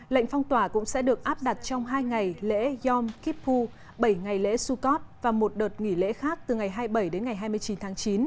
lệnh phong tỏa cũng sẽ được áp đặt trong hai ngày lễ yom kippur bảy ngày lễ sukot và một đợt nghỉ lễ khác từ ngày hai mươi bảy đến ngày hai mươi chín tháng chín